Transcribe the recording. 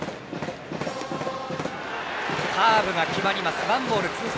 カーブが決まります。